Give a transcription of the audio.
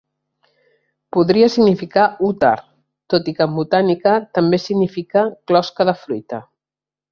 Podria significar 'úter', tot i que en botànica també significa 'closca' de fruita.